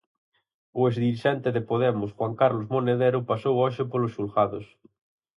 O exdirixente de Podemos Juan Carlos Monedero pasou hoxe polos xulgados.